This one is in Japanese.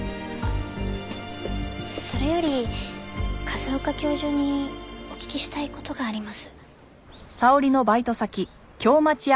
それより風丘教授にお聞きしたい事があります。